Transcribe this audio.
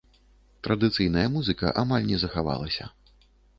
Традыцыйная музыка амаль не захавалася.